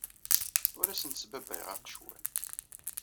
Ur asent-sbabbayeɣ aqecwal.